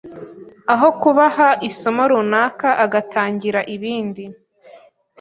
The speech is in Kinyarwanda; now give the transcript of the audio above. aho kubaha isomo runaka agatangira ibindi